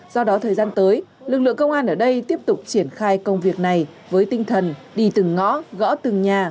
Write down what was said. do đó thời gian tới lực lượng công an ở đây tiếp tục triển khai công việc này với tinh thần đi từng ngõ gõ từng nhà